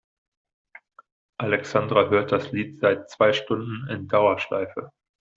Alexandra hört das Lied seit zwei Stunden in Dauerschleife.